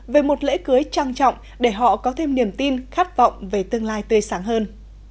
về một lễ cưới trang trọng để họ có thêm niềm tin khát vọng về tương lai tươi sáng hơn